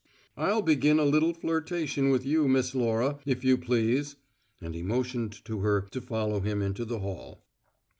I'll begin a little flirtation with you, Miss Laura, if you please." And he motioned to her to follow him into the hall.